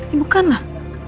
eh bukan lah